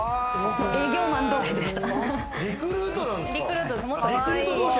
営業マン同士でした。